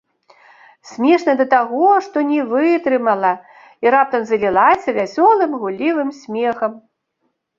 Смешна да таго, што не вытрымала і раптам залілася вясёлым, гуллівым смехам.